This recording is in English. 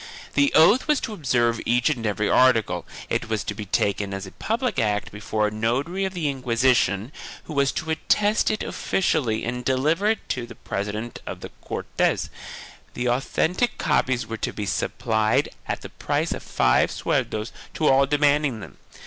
The oath was to observe each and every article; it was to be taken as a public act before a notary of the Inquisition, who was to attest it offi cially and deliver it to the president of the Cortes, and authentic copies were to be supplied at the price of five sueldos to all demanding them.